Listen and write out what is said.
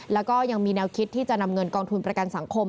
แล้วก็ยังมีแนวคิดที่จะนำเงินกองทุนประกันสังคม